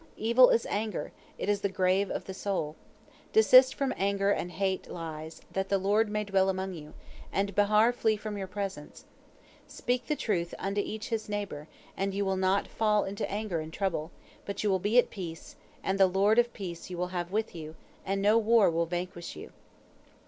Evil is anger, it is the grave of the soul. Desist from anger and hate lies, that the Lord may dwell among you, and Behar flee from your presence. Speak the truth each unto his neighbor, and you will not fall into anger and trouble, but you will be at peace, and the Lord of peace you will have with you, and no war will vanquish you.